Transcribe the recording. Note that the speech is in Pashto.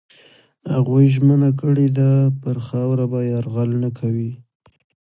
هغوی ژمنه کړې ده پر خاوره به یرغل نه کوي.